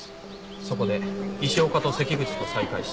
そこで石岡と関口と再会して。